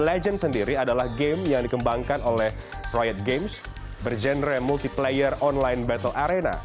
game league of legends sendiri adalah game yang dikembangkan oleh riot games berjenre multiplayer online battle arena